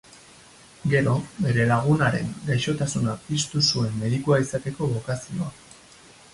Gero bere lagunaren gaixotasuna piztu zuen medikua izateko bokazioa.